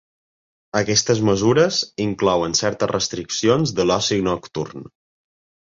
Aquestes mesures inclouen certes restriccions de l’oci nocturn.